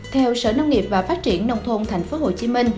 theo sở nông nghiệp và phát triển nông thôn tp hcm